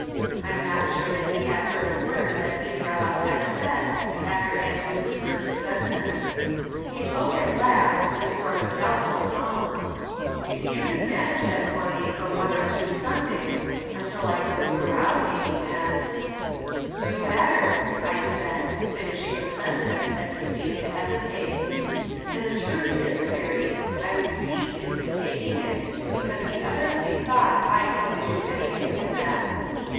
I'm not sure that he had heard a word that either of us had said, after Aunt Ruth's first sentence. He spoke ■ at last, in a sort of doubtful tone : 44 From Different Standpoints. " If you could manage them for me for one or two Sundays, until I could look around me, and—" " Do better," I said, finishing the sentence, as he seemed to hesitate. And the truth is. Perry, I was piqued into taking it, because he evidently thought I couldn't do anything with them.